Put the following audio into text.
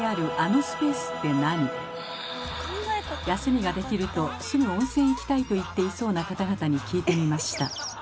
休みができるとすぐ「温泉行きたい」と言っていそうな方々に聞いてみました。